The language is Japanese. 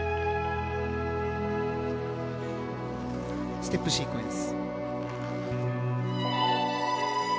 ステップシークエンス。